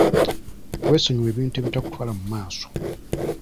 Weesonyiwe ebintu ebitakutwala mu maaso.